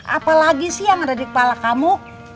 apa lagi sih yang ada di kepala kamu